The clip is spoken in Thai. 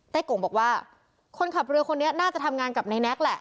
โก่งบอกว่าคนขับเรือคนนี้น่าจะทำงานกับนายแน็กแหละ